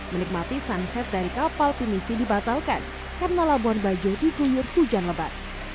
menikmati sunset dari kapal pinisi dibatalkan karena labuan bajo diguyur hujan lebat